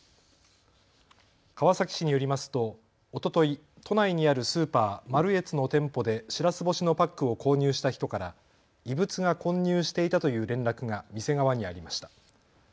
川崎市によりますとおととい、都内にあるスーパー、マルエツの店舗でしらす干しのパックを購入した人から異物が混入していたという連絡が店側にありました。